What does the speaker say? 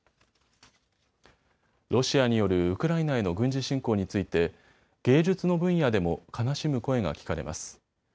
ロシアによるウクライナへの軍事侵攻について芸術の分野でも悲しむ声が聞かれます。